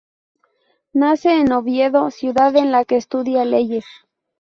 Nace en Oviedo, ciudad en la que estudia leyes.